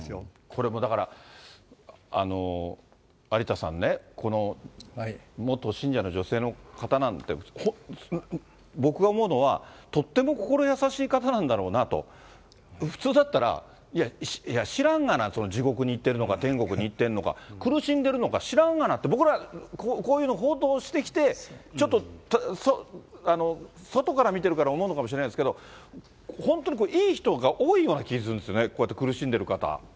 これもだから、有田さんね、この元信者の女性の方なんて、僕が思うのは、とっても心優しい方なんだろうなと、普通だったら、いや、知らんがな、地獄に行ってるのか、天国に行ってるのか、苦しんでるのか、知らんがなって、僕ら、こういうの報道してきて、ちょっと外から見てるから思うのかもしれないですけど、本当にいい人が多いような気がするんですよね、こうやって苦しんでる方。